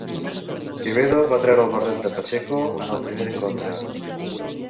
Quevedo va treure el barret de Pacheco en el primer encontre.